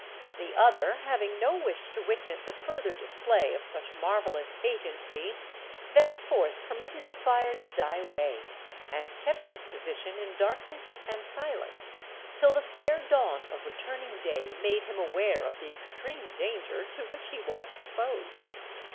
The other having no wish to witness a further display of such marvellous agency, thenceforth permitted the fire to die away, and kept his position in darkness and silence, till the fair dawn of returning day made him aware of the extreme danger to which he was exposed.